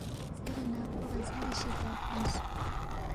زیرے نہ کھو وزیری شِدیا تھونس